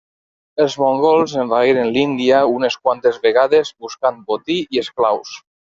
Els mongols envaïren l'Índia unes quantes vegades buscant botí i esclaus.